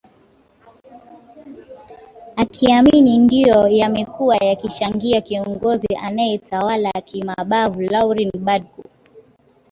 akiamini ndio yamekuwa yakichangia kiongozi anayetawala kimabavu lauren badgbo